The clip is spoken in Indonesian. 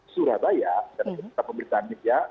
surabaya karena kita memberikan media